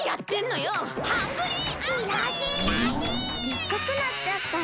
でっかくなっちゃった！